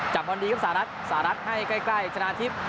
จับบอลดีครับสารัสสารัสให้ใกล้ชนะทิศ